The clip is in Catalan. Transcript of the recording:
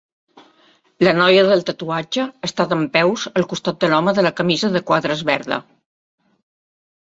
La noia del tatuatge està dempeus al costat de l'home de la camisa de quadres verda.